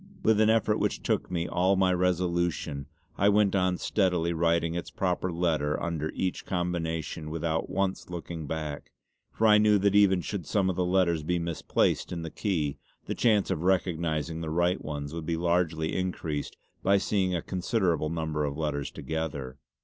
With an effort which took me all my resolution I went on steadily writing its proper letter under each combination without once looking back; for I knew that even should some of the letters be misplaced in the key the chance of recognising the right ones would be largely increased by seeing a considerable number of letters together.